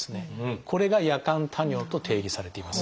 これが「夜間多尿」と定義されています。